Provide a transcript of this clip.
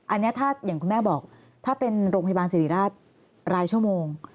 อันนี้ถ้าอย่างคุณแม่บอกถ้าเป็นโรงพยาบาลสิริราชรายชั่วโมง